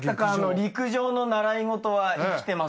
陸上の習い事はいきてますよね。